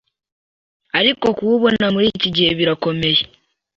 Ariko kuwubona muri iki gihe birakomeye.